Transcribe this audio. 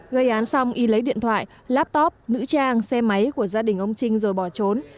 gây án xong y lấy điện thoại laptop nữ trang xe máy của gia đình ông trinh rồi bỏ trốn